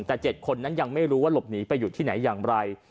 แต่๗คนนั้นยังไม่รู้ว่าหลบหนีไปอยู่ที่ไหนอย่างไร